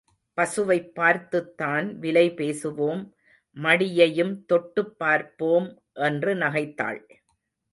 பசுவைப் பார்த்துத்தான் விலை பேசுவோம் மடியையும் தொட்டுப் பார்ப்போம் என்று நகைத்தாள்.